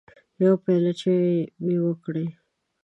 يوه پياله چايي مې وکړې